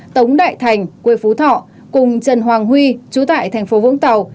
tống đại thành quê phú thọ cùng trần hoàng huy chú tại thành phố vũng tàu